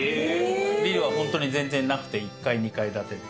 ビルは本当に全然なくて、１階２階建て。